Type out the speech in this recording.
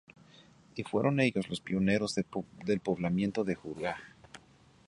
Y fueron ellos los pioneros del poblamiento de Juruá.